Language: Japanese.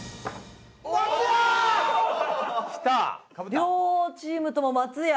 両チームとも松屋。